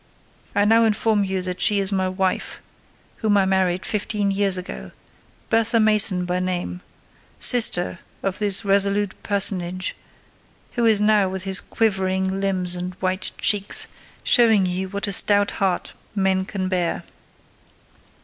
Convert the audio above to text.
I now inform you that she is my wife, whom I married fifteen years ago,—Bertha Mason by name; sister of this resolute personage, who is now, with his quivering limbs and white cheeks, showing you what a stout heart men may bear.